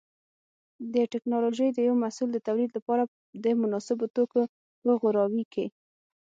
د ټېکنالوجۍ د یو محصول د تولید لپاره د مناسبو توکو په غوراوي کې.